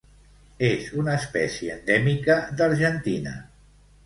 És una espècie endèmica d'Argentina.